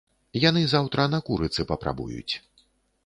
Яны заўтра на курыцы папрабуюць.